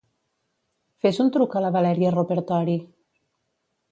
Fes un truc a la Valeria Ropertori.